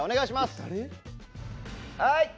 はい！